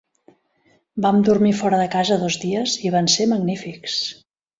Vam dormir fora de casa dos dies i van ser magnífics.